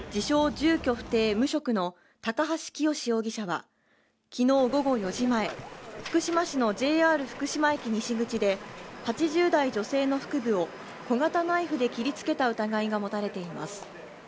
住居不定無職の高橋清容疑者は昨日午後４時前福島市のＪＲ福島駅西口で８０代女性の腹部を小型ナイフで切りつけた疑いが持たれています